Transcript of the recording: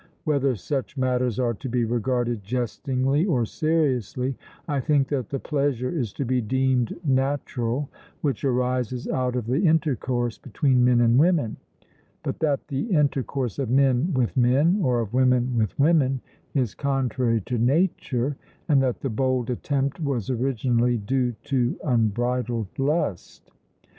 Whether such matters are to be regarded jestingly or seriously, I think that the pleasure is to be deemed natural which arises out of the intercourse between men and women; but that the intercourse of men with men, or of women with women, is contrary to nature, and that the bold attempt was originally due to unbridled lust.